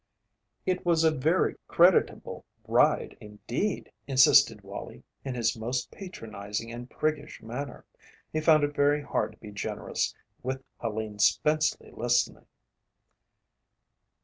"It was a very creditable ride indeed," insisted Wallie, in his most patronizing and priggish manner. He found it very hard to be generous, with Helene Spenceley listening.